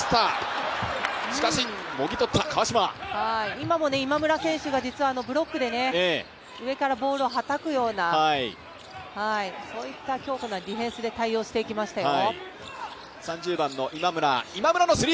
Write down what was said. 今も今村選手が実はブロックで上からボールをはたくようなそういった強固なディフェンスで対応していきましたよ。